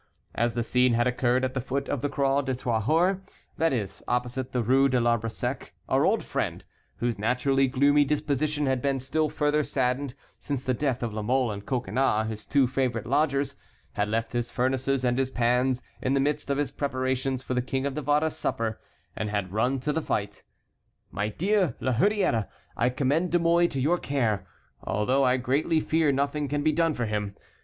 As the scene had occurred at the foot of the Croix du Trahoir, that is, opposite the Rue de l'Arbre Sec, our old friend, whose naturally gloomy disposition had been still further saddened since the death of La Mole and Coconnas, his two favorite lodgers, had left his furnaces and his pans in the midst of his preparations for the King of Navarre's supper, and had run to the fight. "My dear La Hurière, I commend De Mouy to your care, although I greatly fear nothing can be done for him.